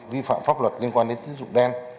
vi phạm pháp luật liên quan đến tín dụng đen